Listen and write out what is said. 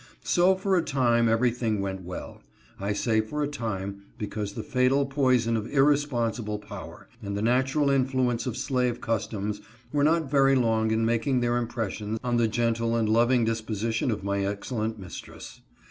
So for a time everything went well. I say for a time, because the fatal poison of irresponsible power, and the natural influence of slave customs, were not very long in making their impression on the gentle and loving dispo sition of my excellent mistress.